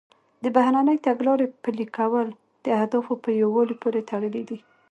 د بهرنۍ تګلارې پلي کول د اهدافو په یووالي پورې تړلي دي